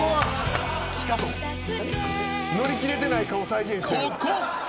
乗り切れてない顔、再現してる。